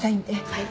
はい。